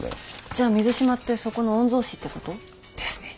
じゃあ水島ってそこの御曹子ってこと？ですね。